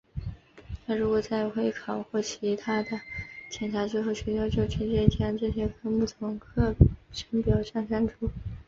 而如果在会考或其它的检查之后学校就直接将这些科目从课程表上删除。